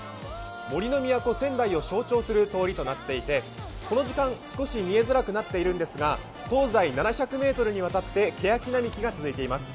杜の都・仙台を象徴する通りとなっていてこの時間、少し見えづらくなっているんですが、東西７００ｍにわたってけやき並木が続いています